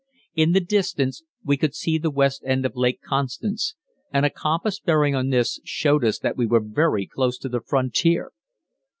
In the distance we could see the west end of Lake Constance, and a compass bearing on this showed us that we were very close to the frontier.